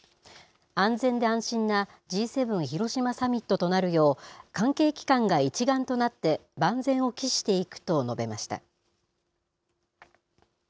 安全で安心なＧ７広島サミットとなるよう、関係機関が一丸となって、万全を期していくと述べました。